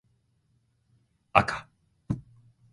あか